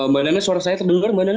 mbak nana suara saya terdengar mbak nana